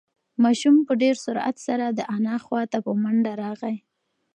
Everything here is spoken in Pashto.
ماشوم په ډېر سرعت سره د انا خواته په منډه راغی.